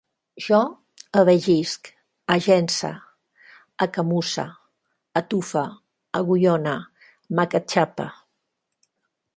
Jo abellisc, agence, acamusse, atufe, agullone, m'acatxape